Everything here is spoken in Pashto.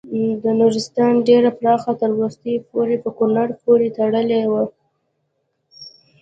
د نورستان ډیره برخه تر وروستیو پورې په کونړ پورې تړلې وه.